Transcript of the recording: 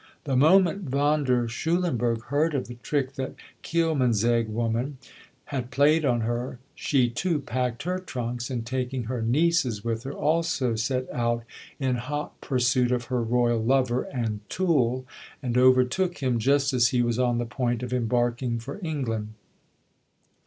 The moment Von der Schulenburg heard of the trick "that Kielmansegg woman" had played on her, she, too, packed her trunks, and, taking her "nieces" with her, also set out in hot pursuit of her Royal lover and tool, and overtook him just as he was on the point of embarking for England.